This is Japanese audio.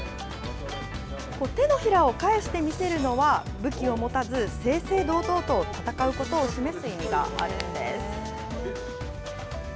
手のひらを返してみせるのは、武器を持たず正々堂々と戦うことを示す意味があるんです。